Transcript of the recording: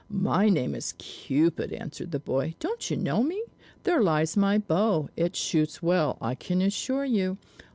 "My name is Cupid," answered the boy. "Don't you know me? There lies my bow; it shoots well, I can assure you!